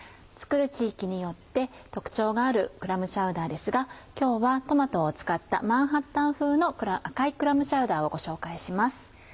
作る地域によって特徴があるクラムチャウダーですが今日はトマトを使ったマンハッタン風の赤いクラムチャウダーをご紹介します。